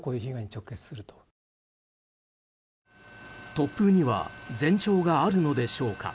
突風には前兆があるのでしょうか。